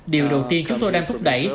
điều đầu tiên chúng tôi đang thúc đẩy